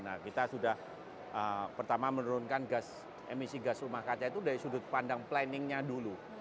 nah kita sudah pertama menurunkan emisi gas rumah kaca itu dari sudut pandang planningnya dulu